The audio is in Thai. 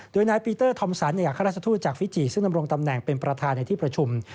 โดยนายปีเตอร์ธอมสันเอกราชทูตจากฟิจิซึ่งดำรงตำแหน่งเป็นประธานในที่ประชุม